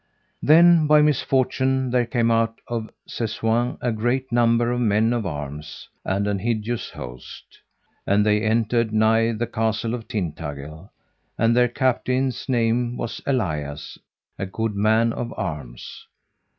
Then by misfortune there came out of Sessoin a great number of men of arms, and an hideous host, and they entered nigh the Castle of Tintagil; and their captain's name was Elias, a good man of arms.